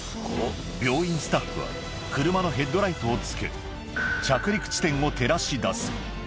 病院スタッフは車のヘッドライトをつけ、着陸地点を照らし出す。